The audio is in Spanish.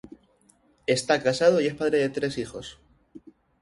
Está casado y es padre de tres hijos.